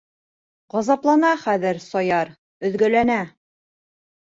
Ғазаплана хәҙер Саяр, өҙгәләнә.